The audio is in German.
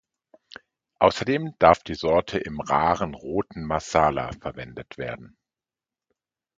Außerdem darf die Sorte im raren roten Marsala verwendet werden.